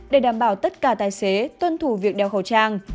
để đảm bảo tất cả tài xế tuân thủ việc đeo khẩu trang